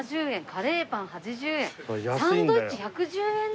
カレーパン８０円」「サンドイッチ１１０円」だって！